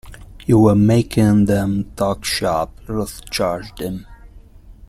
You were making them talk shop, Ruth charged him.